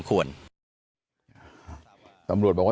ฆ่าเด็ก